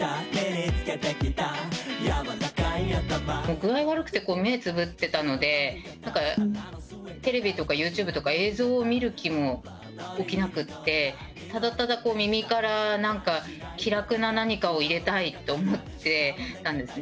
具合悪くて目をつぶっていたので、テレビとかＹｏｕＴｕｂｅとか映像を見る気も起きなくて、ただただ耳から気楽な何かを入れたいって思ってたんですね。